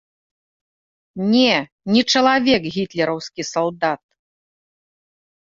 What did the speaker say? Не, не чалавек гітлераўскі салдат!